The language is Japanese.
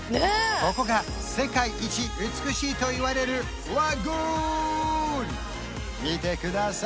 ここが世界一美しいといわれるラグーン見てください